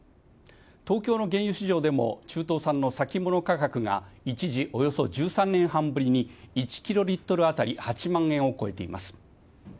東京の原油市場でも、中東産の先物価格が一時およそ１３年半ぶりに、１キロリットル当たり８万円を超えています。